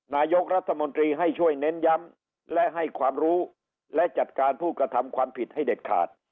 นายกรัฐมนตรีให้ช่วยเน้นย้ำและให้ความรู้และจัดการผู้กระทำความผิดให้เด็ดขาด